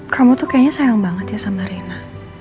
kamu tuh kayaknya sayang banget ya sama rena